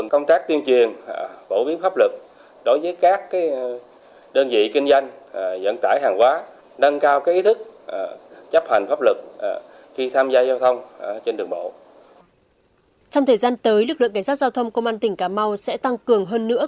công an tỉnh cà mau sẽ tăng cường hơn nữa